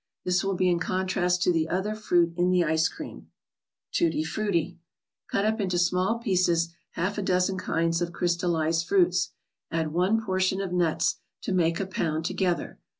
This will be in contrast to the other fruit in the ice cream. Cut U P ^ nt0 sma ^ pi eces half a * dozen kinds of crystalized fruits, and one portion of nuts, to make a pound together.